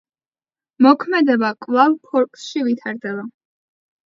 მოქმედება კვლავ ფორკსში ვითარდება.